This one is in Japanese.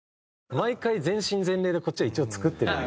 毎回全身全霊でこっちは一応作ってる。